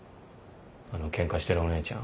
あのケンカしてるお姉ちゃん？